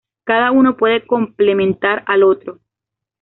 Cada uno puede complementar al otro.